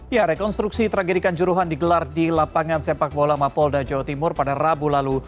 ya rekonstruksi tragedikan juruhan digelar di lapangan sepak bola mapolda jawa timur pada rabu lalu